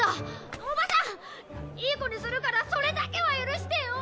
おばさんいい子にするからそれだけは許してよ。